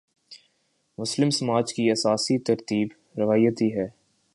مسلم سماج کی اساسی ترکیب روایتی ہے۔